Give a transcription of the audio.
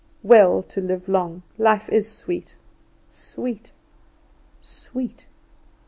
Well to live long; life is sweet, sweet, sweet!